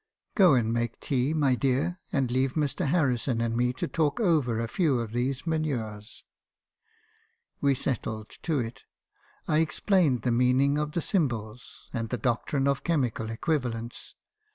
" 'Go and make tea, my dear, and leave Mr. Harrison and me to talk over a few of these manures.' "We settled to it; I explained the meaning of the symbols, and the doctrine of chemical equivalents.